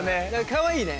かわいいね。